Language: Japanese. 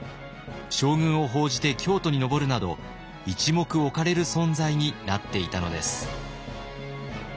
将軍を奉じて京都に上るなど一目置かれる存在になっていたのです。